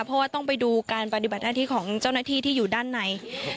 เพราะว่าต้องไปดูการปฏิบัติหน้าที่ของเจ้าหน้าที่ที่อยู่ด้านใน